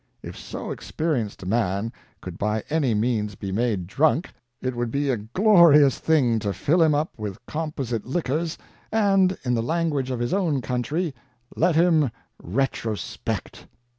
If so experienced a man could by any means be made drunk, it would be a glorious thing to fill him up with composite liquors, and, in the language of his own country, "let him retrospect."